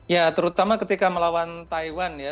ya terutama ketika melawan taiwan ya